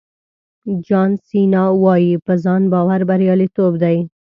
جان سینا وایي په ځان باور بریالیتوب دی.